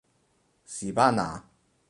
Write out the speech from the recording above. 士巴拿